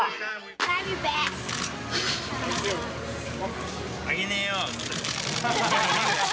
あげねーよ。